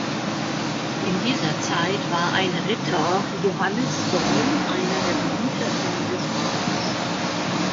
In dieser Zeit war ein Ritter Johannes Storm einer der Begüterten des Ortes.